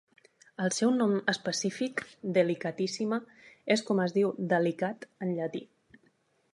El seu nom específic, "delicatissima", és com es diu "delicat" en llatí.